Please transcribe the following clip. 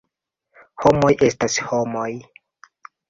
Homoj estas homoj.